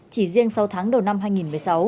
chỉ riêng sáu tháng đầu năm hai nghìn một mươi sáu